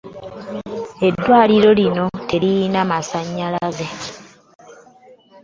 Eddwaliro lino teririna masannyalaze.